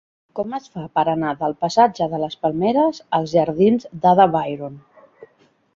Com es fa per anar del passatge de les Palmeres als jardins d'Ada Byron?